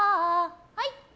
はい！